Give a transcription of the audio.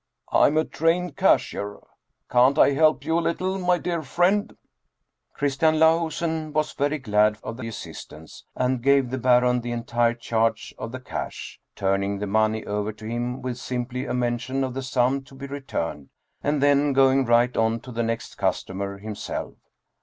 " I'm a trained cashier ; can't I help you a little, my dear friend ?" Christian Lahusen was very glad of the assistance, and gave the Baron the entire charge of the cash, turning the money over to him with simply a mention of the sum to be returned, and then going right on to the next customer himself.